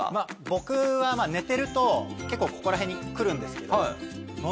僕は寝てると結構ここら辺に来るんですけど。